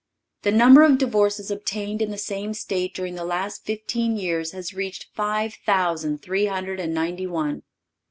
The number of divorces obtained in the same State during the last fifteen years has reached five thousand three hundred and ninety one.